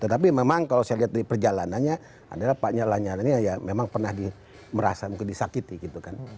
tetapi memang kalau saya lihat dari perjalanannya adalah paknya lanyala ini ya memang pernah merasa mungkin disakiti gitu kan